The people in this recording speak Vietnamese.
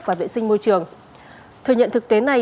và vệ sinh môi trường thừa nhận thực tế này